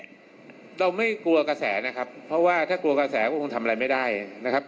เราไม่กลัวกระแสนะครับเพราะว่าถ้ากลัวกระแสก็คงทำอะไรไม่ได้นะครับ